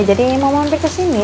jadi mau mampir kesini